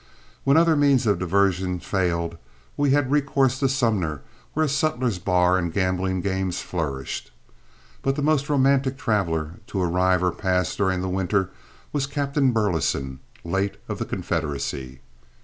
When other means of diversion failed we had recourse to Sumner, where a sutler's bar and gambling games flourished. But the most romantic traveler to arrive or pass during the winter was Captain Burleson, late of the Confederacy.